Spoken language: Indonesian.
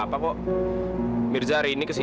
gak ada tante